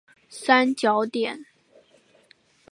三角点。